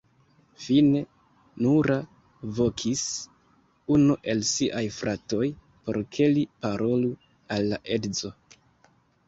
Fine, Noura vokis unu el siaj fratoj, por ke li parolu al la edzo.